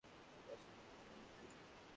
কষে মারুন আংকেল।